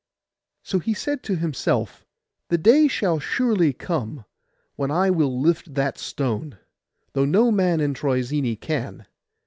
So he said to himself, 'The day shall surely come when I will lift that stone, though no man in Troezene can.